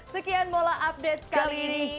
sekian molaupdate kali ini